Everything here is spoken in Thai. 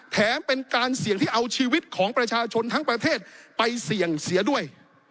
แถมเป็นการเสี่ยงที่เอาชีวิตของประชาชนทั้งประเทศไปเสี่ยงเสียด้วย